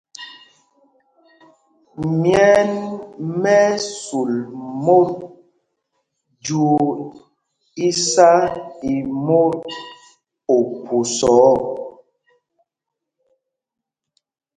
Myɛ̂n mɛ́ ɛ́ sul mot jyuu isá í mot ophusa ɔ.